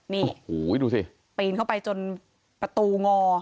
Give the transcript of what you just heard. ปีนเสร็จไปจนประตูง่อ